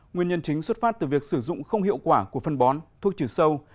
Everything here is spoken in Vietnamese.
nguyên nhân chính xuất phát từ việc sử dụng không hiệu quả của phân bón thuốc trừ sâu